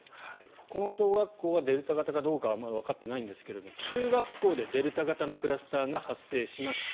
この小学校はデルタ型かどうかはまだわかっていないんですが中学校でデルタ型のクラスターが発生しました。